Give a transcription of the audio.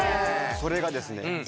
それがですね